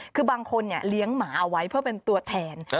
คือบางคนเลี้ยงหมาเอาไว้เพื่อเป็นตัวแทน